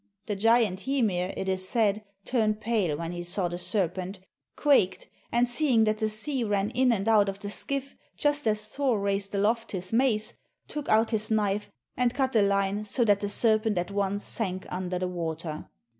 The giant Hymir, it is said, turned pale when he saw the serpent, quaked, and, seeing that the sea ran in and out of the skiff, just as Thor raised aloft his mace, took out his knife and cut the line so that the serpent at once sank under the water.